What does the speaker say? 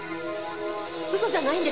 嘘じゃないんです。